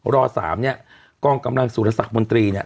ร๓เนี่ยกองกำลังสุรสักมนตรีเนี่ย